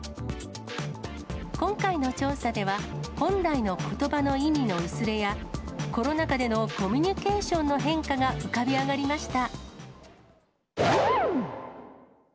今回の調査では、本来のことばの意味の薄れや、コロナ禍でのコミュニケーションの変化が浮かび上がりました。